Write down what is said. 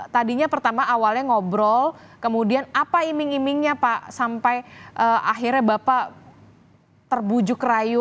tadinya pertama awalnya ngobrol kemudian apa iming imingnya pak sampai akhirnya bapak terbujuk rayu